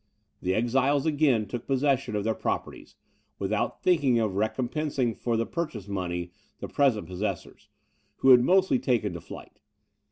The exiles again took possession of their properties, without thinking of recompensing for the purchase money the present possessors, who had mostly taken to flight.